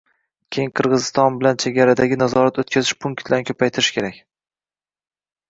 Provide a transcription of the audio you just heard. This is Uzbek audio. Keyin Qirg'iziston bilan chegaradagi nazorat -o'tkazish punktlarini ko'paytirish kerak